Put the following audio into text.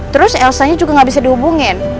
terus elsanya juga nggak bisa dihubungin